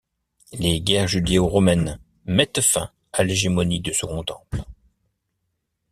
Les guerres judéo-romaines mettent fin à l’hégémonie du second Temple.